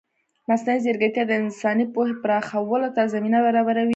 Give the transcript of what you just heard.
مصنوعي ځیرکتیا د انساني پوهې پراخولو ته زمینه برابروي.